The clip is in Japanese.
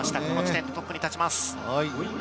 この時点でトップに立ちます。